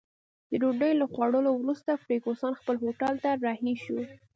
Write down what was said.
د ډوډۍ له خوړلو وروسته فرګوسن خپل هوټل ته رهي شوه.